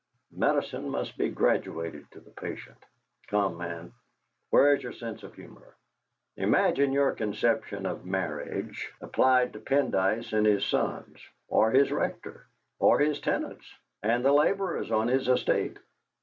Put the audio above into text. Medicine must be graduated to the patient. Come, man, where's your sense of humour? Imagine your conception of marriage applied to Pendyce and his sons, or his Rector, or his tenants, and the labourers on his estate."